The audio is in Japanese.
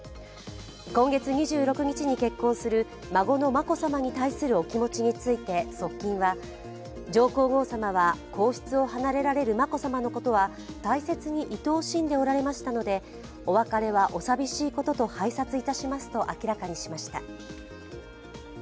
今月２６日に結婚する孫の眞子さまに対するお気持ちについて側近は、上皇后さまは皇室を離れられる眞子さまのことは大切に愛おしんでおられましたのでお別れはお寂しいことと拝察いたしますと明らかにしました。